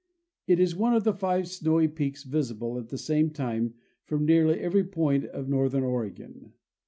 It is one of the five snowy peaks visible at the same time from nearly every point of northern Oregon.